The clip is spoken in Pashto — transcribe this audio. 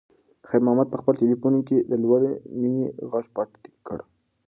خیر محمد په خپل تلیفون کې د لور د مینې غږ پټ کړ.